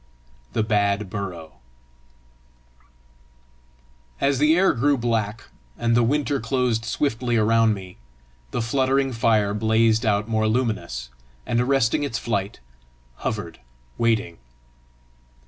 THE BAD BURROW As the air grew black and the winter closed swiftly around me, the fluttering fire blazed out more luminous, and arresting its flight, hovered waiting.